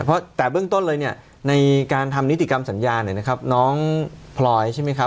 เพราะแต่เบื้องต้นเลยเนี่ยในการทำนิติกรรมสัญญาเนี่ยนะครับน้องพลอยใช่ไหมครับ